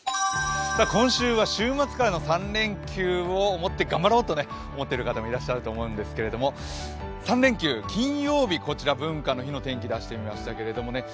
今週は週末からの３連休をもって頑張ろうと思ってる方もいらっしゃると思いますが、３連休、３日の文化の日の天気を出してみました。